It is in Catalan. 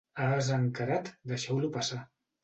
A ase encarat, deixeu-lo passar.